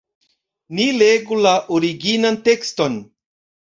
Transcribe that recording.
Ni legu la originan tekston.